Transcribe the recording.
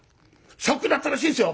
ショックだったらしいですよ。